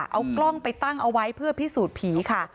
เอากล้องไปตั้งเอาไว้เพื่อพิสูจน์ผีค่ะ